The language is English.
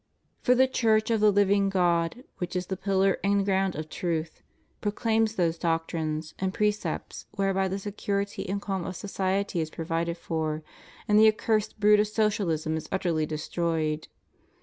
For the Church of the living God, which is the pillar and ground of truth,^ pro claims those doctrines and precepts whereby the security and cahn of society is provided for, and the accursed brood of Socialism is utterly destroyed.